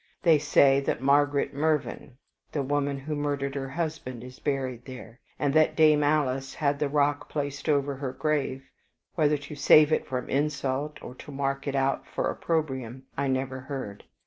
They say that Margaret Mervyn, the woman who murdered her husband, is buried there, and that Dame Alice had the rock placed over her grave, whether to save it from insult or to mark it out for opprobrium, I never heard.